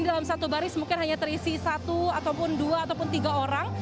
dalam satu baris mungkin hanya terisi satu ataupun dua ataupun tiga orang